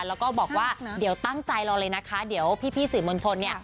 แล้วก็บอกว่าเดี๋ยวตั้งใจรอเลยนะคะเดี๋ยวพี่สื่อมวลชนเนี่ย